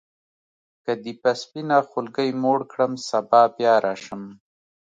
که دي په سپینه خولګۍ موړ کړم سبا بیا راشم.